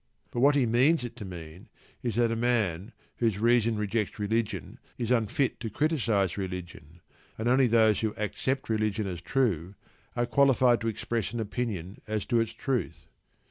But what he means it to mean is that a man whose reason rejects religion is unfit to criticise religion, and that only those who accept religion as true are qualified to express an opinion as to its truth.